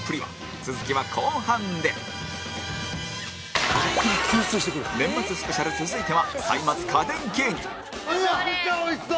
続きは後半で年末スペシャル続いては、歳末家電芸人めちゃくちゃおいしそう！